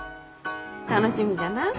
楽しみじゃな。